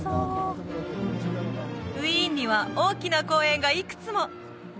ウィーンには大きな公園がいくつも！